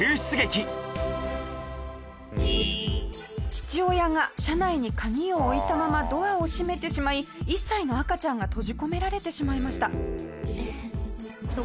父親が車内に鍵を置いたままドアを閉めてしまい１歳の赤ちゃんが閉じ込められてしまいました。